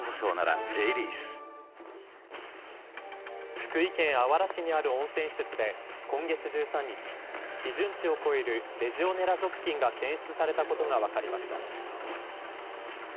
福井県あわら市にある温泉施設で今月１３日、基準値を超えるレジオネラ属菌が検出されたことが分かりました。